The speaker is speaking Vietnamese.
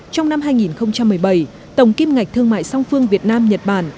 trong năm hai nghìn một mươi bảy tổng kim ngạch thương mại song phương việt nam nhật bản